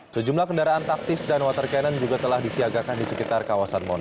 sejumlah kendaraan taktis dan water cannon juga telah disiagakan diseluruh